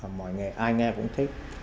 ai nghe cũng thích